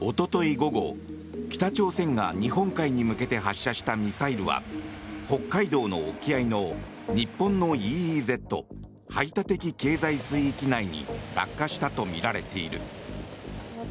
午後、北朝鮮が日本海に向けて発射したミサイルは北海道の沖合の、日本のＥＥＺ・排他的経済水域内に落下したとみられている。